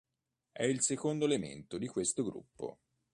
È il secondo elemento di questo gruppo.